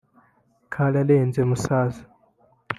Kararenze musaza